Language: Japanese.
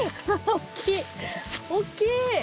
大きい！